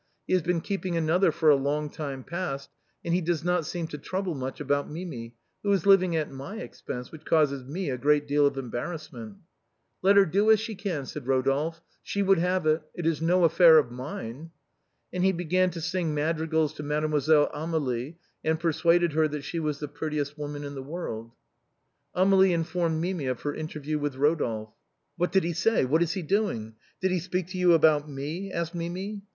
He has been keeping another for a long time past, and he does not seem to trouble much about Mimi, who is living at my expense, which causes me a great deal of em barrassment." " Let her do as she can," said Rodolphe ;" she would have it, — it is no affair of mine." And he began to sing madrigals to Mademoiselle Amélie, and persuaded her that she was the prettiest woman in the world. Amélie informed Mimi of her interview with Rodolphe. " What did he say ? What is he doing ? Did he speak to you about me ?" asked Mimi.